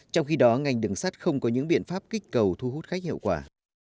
trong khi đó ngành đường sắt không có những biện pháp kích cầu thu hút khách hiệu quả